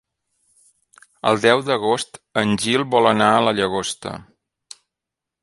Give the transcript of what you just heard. El deu d'agost en Gil vol anar a la Llagosta.